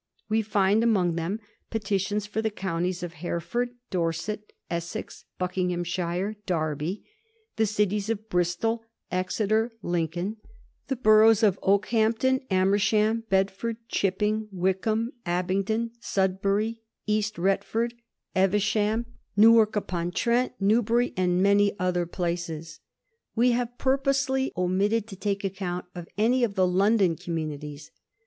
We find among them petitions fi:om the coimties of Hert ford, Dorset, Essex, Buckingham, Derby ; the cities of Bristol, Exeter, Lincoln ; the boroughs of Oak hampton, Amersham, Bedford, Chipping Wycombe, Abingdon, Sudbury, East Retford, Evesham, Newark Digiti zed by Google 256 A HISTORY OF THE FOUR GEORGES. ch. xi. upon Trent, Newbury, and many other places. We have purposely omitted to take account of any of the London communities.